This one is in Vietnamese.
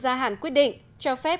gia hạn quyết định cho phép